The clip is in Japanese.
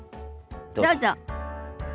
どうぞ。